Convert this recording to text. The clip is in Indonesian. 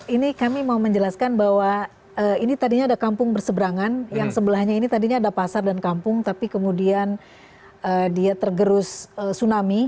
ini kami mau menjelaskan bahwa ini tadinya ada kampung berseberangan yang sebelahnya ini tadinya ada pasar dan kampung tapi kemudian dia tergerus tsunami